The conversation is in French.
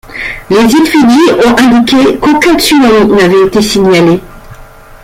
Les îles Fidji ont indiqué qu'aucun tsunami n'avait été signalé.